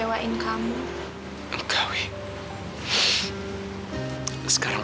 apakah pria michael atomku dibatuhi dengan yemang